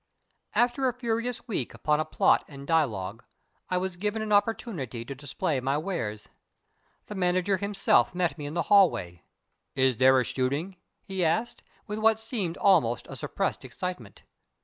After a furious week upon a plot and dialogue, I was given an opportunity to display my wares. The manager himself met me in the hallway. "Is there a shooting?" he asked, with what seemed almost a suppressed excitement.